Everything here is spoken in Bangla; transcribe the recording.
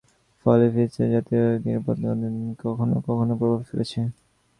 ফলে ফিলিস্তিনের জাতীয় স্বার্থ নিরূপণে অভ্যন্তরীণ রাজনীতি কখনো কখনো প্রভাব ফেলছে।